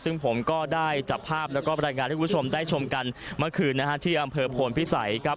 ซึ่งผมก็ได้จับภาพแล้วก็บรรยายงานให้คุณผู้ชมได้ชมกันเมื่อคืนนะฮะที่อำเภอโพนพิสัยครับ